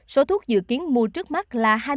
số thuốc dự kiến mua trước mắt là